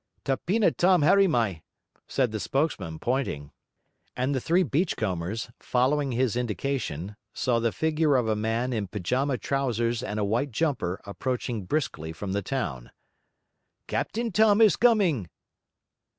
'Tapena Tom harry my,' said the spokesman, pointing. And the three beachcombers, following his indication, saw the figure of a man in pyjama trousers and a white jumper approaching briskly from the town. 'Captain Tom is coming.'